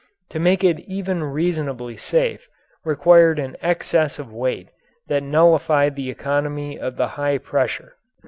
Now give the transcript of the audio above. To make it even reasonably safe required an excess of weight that nullified the economy of the high pressure.